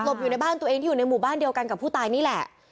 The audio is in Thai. อยู่ในบ้านตัวเองที่อยู่ในหมู่บ้านเดียวกันกับผู้ตายนี่แหละ